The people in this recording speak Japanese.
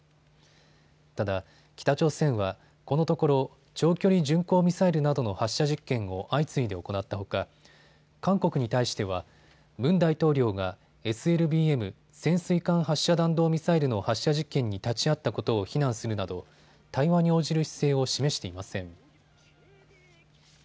ただ、北朝鮮はこのところ長距離巡航ミサイルなどの発射実験を相次いで行ったほか韓国に対してはムン大統領がＳＬＢＭ・潜水艦発射弾道ミサイルの発射実験に立ち会ったことを非難するなど対話に応じる姿勢を示していません。